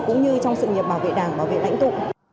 cũng như trong sự nghiệp bảo vệ đảng bảo vệ lãnh tụ